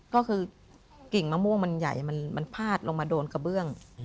พี่แบบกี่่งมัม่วงมันใหญ่มันพาดลงมาโดนกระเบื่อง